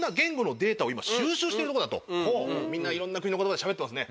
みんないろんな国の言葉でしゃべってますね。